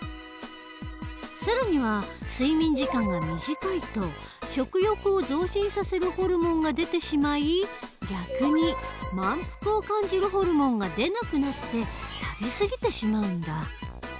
更には睡眠時間が短いと食欲を増進させるホルモンが出てしまい逆に満腹を感じるホルモンが出なくなって食べすぎてしまうんだ。